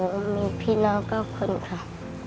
หนูมีพี่น้องเก้าคนค่ะ